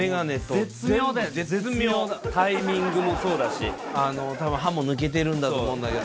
絶妙、タイミングもそうだし、たぶん歯も抜けてるんだと思うんだけど。